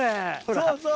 そうそう。